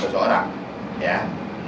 ini adalah hak seseorang